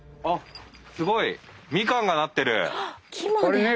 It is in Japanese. すごい！みかんがなってる。